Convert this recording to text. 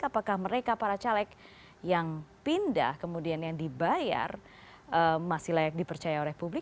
apakah mereka para caleg yang pindah kemudian yang dibayar masih layak dipercaya oleh publik